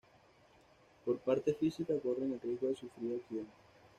Por parte física, corren el riesgo de sufrir accidentes.